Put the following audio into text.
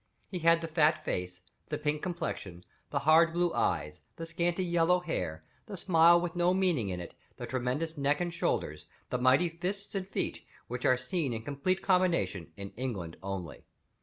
He had the fat face, the pink complexion, the hard blue eyes, the scanty yellow hair, the smile with no meaning in it, the tremendous neck and shoulders, the mighty fists and feet, which are seen in complete combination in England only.